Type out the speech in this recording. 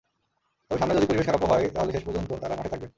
তবে সামনে যদি পরিবেশ খারাপও হয়, তাহলেও শেষ পর্যন্ত তাঁরা মাঠে থাকবেন।